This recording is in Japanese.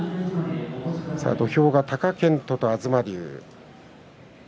土俵、貴健斗と東龍。